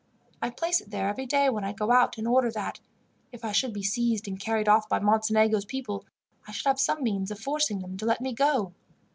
I place it there every day when I go out, in order that, if I should be seized and carried off by Mocenigo's people, I should have some means of forcing them to let me go.